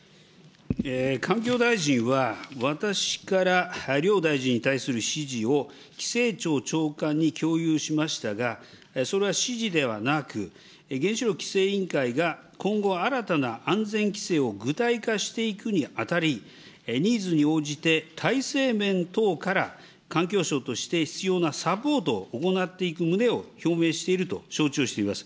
環境大臣は、私から両大臣に対する指示を、規制庁長官に共有しましたが、それは指示ではなく、原子力規制委員会が今後新たな安全規制を具体化していくにあたり、ニーズに応じて体制面等から、環境省として必要なサポートを行っていく旨を表明していると承知をしております。